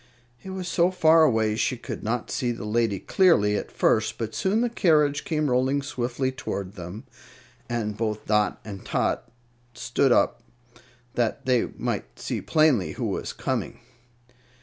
It was so far away she could not see the lady clearly at first; but soon the carriage came rolling swiftly toward them, and both Dot and Tot stood up that they might see plainly who was coming.